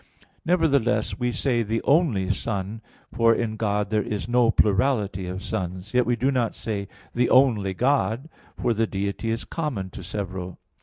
Nevertheless, we say "the only Son," for in God there is no plurality of Sons. Yet, we do not say "the only God," for the Deity is common to several.